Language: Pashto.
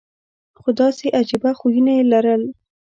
خو داسې عجیبه خویونه یې لرل.